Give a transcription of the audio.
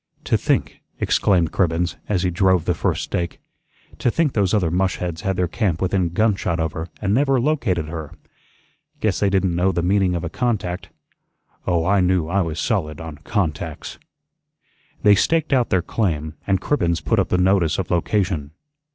"To think," exclaimed Cribbens, as he drove the first stake, "to think those other mushheads had their camp within gunshot of her and never located her. Guess they didn't know the meaning of a 'contact.' Oh, I knew I was solid on 'contacts.'" They staked out their claim, and Cribbens put up the notice of location.